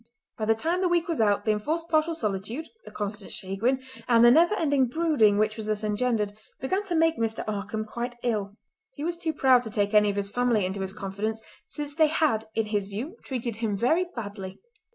By the time the week was out the enforced partial solitude, the constant chagrin, and the never ending brooding which was thus engendered, began to make Mr. Markam quite ill. He was too proud to take any of his family into his confidence since they had in his view treated him very badly.